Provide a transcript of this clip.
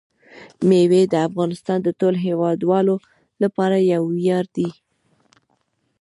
مېوې د افغانستان د ټولو هیوادوالو لپاره یو ویاړ دی.